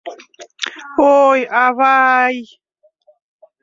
— Ой, ава-ай!..